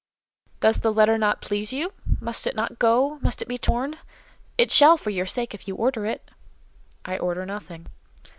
"Does the letter not please you? Must it not go? Must it be torn? It shall, for your sake, if you order it." "I order nothing."